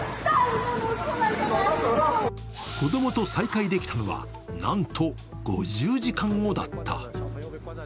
子供と再会できたのは、なんと５０時間後だった。